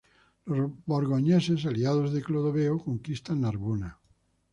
Los borgoñones, aliados de Clodoveo, conquistan Narbona.